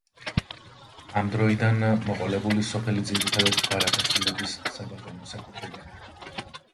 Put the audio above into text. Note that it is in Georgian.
ამ დროიდან მოყოლებული სოფელი ძირითადად ბარათაშვილების საბატონო საკუთრება ხდება.